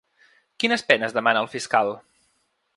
Quines penes demana el fiscal?